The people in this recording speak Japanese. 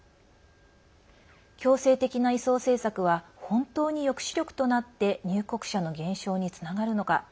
強制的な移送政策は本当に抑止力となって入国者の減少につながるのか。